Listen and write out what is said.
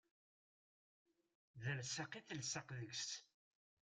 D alsaq i telseq deg-s.